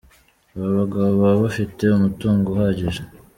Aba bagabo baba bafite umutungo uhagije.